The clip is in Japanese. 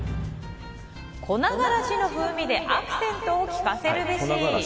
粉辛子の風味でアクセントをきかせるべし。